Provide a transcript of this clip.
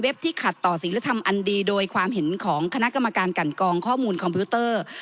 ที่ขัดต่อศิลธรรมอันดีโดยความเห็นของคณะกรรมการกันกองข้อมูลคอมพิวเตอร์